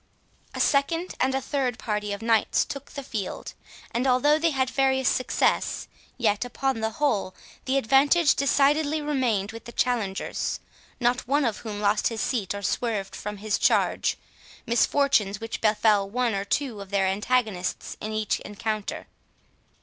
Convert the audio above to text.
A second and a third party of knights took the field; and although they had various success, yet, upon the whole, the advantage decidedly remained with the challengers, not one of whom lost his seat or swerved from his charge—misfortunes which befell one or two of their antagonists in each encounter.